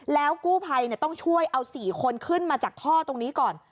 แล้วกู้ภัยต้องช่วยเอา๔คนขึ้นมาจากท่อตรงนี้ก่อน